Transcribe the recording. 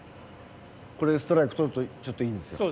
これでストライクとるとちょっといいんですよ。